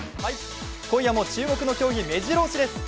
今夜も注目の競技、めじろ押しです。